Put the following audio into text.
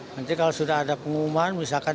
nanti kalau sudah ada pengumuman misalkan